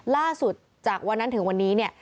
ล่าสุดจากวันนั้นถึงวันนี้เนี่ย